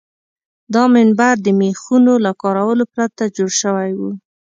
دا منبر د میخونو له کارولو پرته جوړ شوی و.